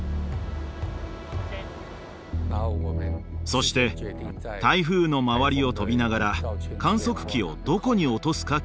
そして台風の周りを飛びながら観測器をどこに落とすか決めます。